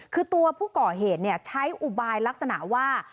คือตัวผู้ก่อเหตุใช้อุบายลักษณะว่า